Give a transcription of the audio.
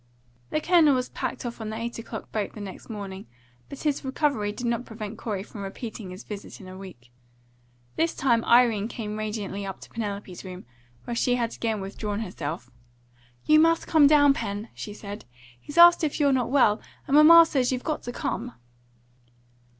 The Colonel was packed off on the eight o'clock boat the next morning; but his recovery did not prevent Corey from repeating his visit in a week. This time Irene came radiantly up to Penelope's room, where she had again withdrawn herself. "You must come down, Pen," she said. "He's asked if you're not well, and mamma says you've got to come."